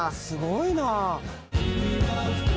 すごいな！